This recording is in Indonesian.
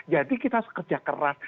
jadi kita harus kerja keras